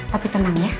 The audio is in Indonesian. tapi tenang ya